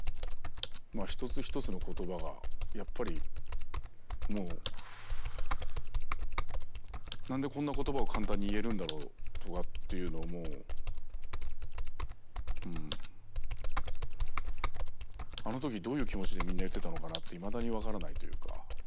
一つ一つの言葉がやっぱりもうなんでこんな言葉を簡単に言えるんだろうとかっていうのもあのときどういう気持ちでみんな言ってたのかなっていまだに分からないというか。